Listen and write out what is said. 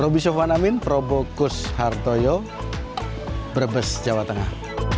roby sofwan amin probokus hartoyo brebes jawa tengah